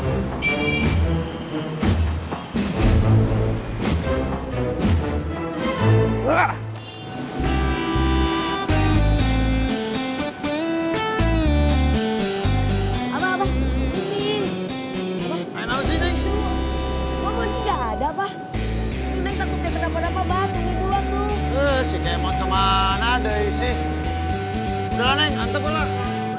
tidak ada masalah